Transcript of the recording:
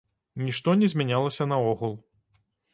Нішто не змянялася наогул.